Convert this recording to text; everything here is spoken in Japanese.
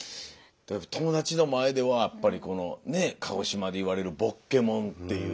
友達の前ではやっぱりこのねえ鹿児島で言われる「ぼっけもん」っていう。